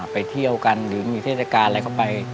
ไปเที่ยวกันหรือมีเทศกาลอะไรเข้าไป